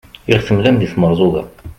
i aɣ-temlam d timerẓuga